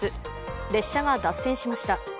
列車が脱線しました。